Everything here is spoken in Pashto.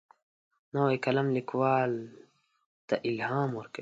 نوی قلم لیکوال ته الهام ورکوي